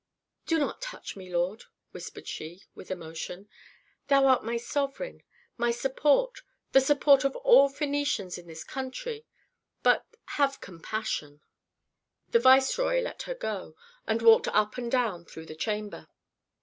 "Do not touch me, lord," whispered she, with emotion. "Thou art my sovereign, my support, the support of all Phœnicians in this country but have compassion." The viceroy let her go, and walked up and down through the chamber.